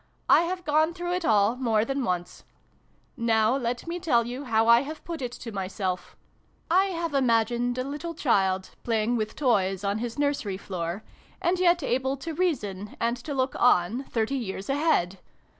" I have gone through it all, more than once. Now let me tell you how I have s 2 260 SYLVIE AND BRUNO CONCLUDED. put it to myself. I have imagined a little child, playing with toys on his nursery floor, and yet able to reason, and to look on, thirty years ahead.